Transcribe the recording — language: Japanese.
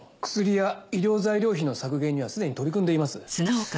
薬や医療材料費の削減にはすでに取り組んでいます。